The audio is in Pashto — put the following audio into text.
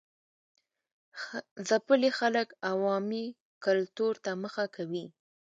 ځپلي خلک عوامي کلتور ته مخه کوي.